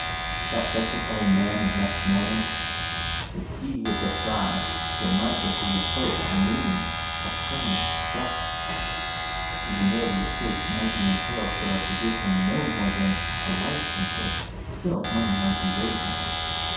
That wretched old man in Westmoreland! If he would but die, there might yet be a hope remaining of permanent success! Even though the estate might be entailed so as to give him no more than a life interest, still money might be raised on it.